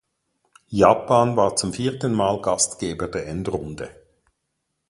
Japan war zum vierten Mal Gastgeber der Endrunde.